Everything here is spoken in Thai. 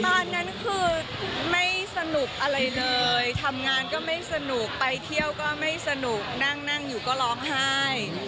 ตอนนั้นคือไม่สนุกอะไรเลยทำงานก็ไม่สนุกไปเที่ยวก็ไม่สนุกนั่งอยู่ก็ร้องไห้